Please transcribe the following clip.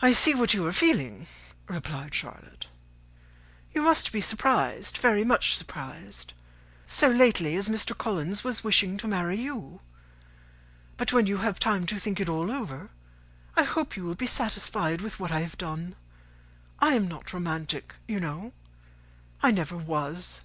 "I see what you are feeling," replied Charlotte; "you must be surprised, very much surprised, so lately as Mr. Collins was wishing to marry you. But when you have had time to think it all over, I hope you will be satisfied with what I have done. I am not romantic, you know. I never was.